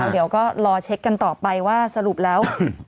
เดี๋ยวก็รอเช็คกันต่อไปว่าสรุปแล้ว